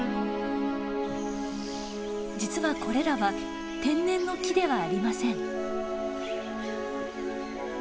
実はこれらは天然の木ではありません。